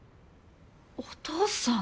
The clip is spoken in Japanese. お父さん！